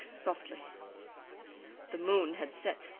Sh! Softly; "The moon had set.